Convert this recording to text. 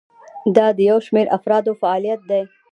دا د یو شمیر افرادو فعالیت دی.